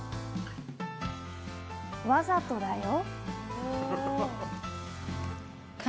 「わざとだよ？」。